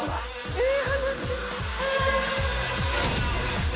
えっ！？